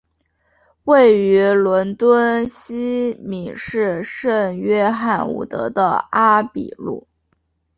位于伦敦西敏市圣约翰伍德的阿比路。